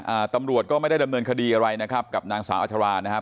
อ่าตำรวจก็ไม่ได้ดำเนินคดีอะไรนะครับกับนางสาวอัชรานะครับ